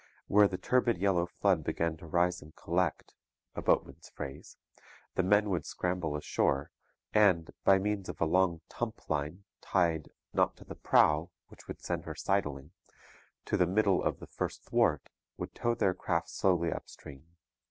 Where the turbid yellow flood began to rise and 'collect' a boatman's phrase the men would scramble ashore, and, by means of a long tump line tied not to the prow, which would send her sidling to the middle of the first thwart, would tow their craft slowly up stream.